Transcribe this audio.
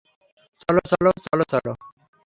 চলো, চলো, চলো, চলো!